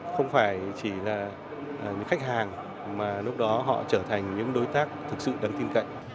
không phải chỉ là những khách hàng mà lúc đó họ trở thành những đối tác thực sự đáng tin cậy